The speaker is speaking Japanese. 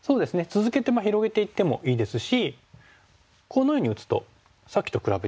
続けて広げていってもいいですしこのように打つとさっきと比べてどうでしょう？